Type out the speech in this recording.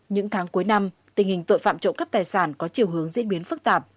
những tháng cuối năm tình hình tội phạm trộm cắp tài sản có chiều hướng diễn biến phức tạp